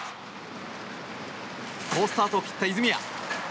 好スタートを切った泉谷。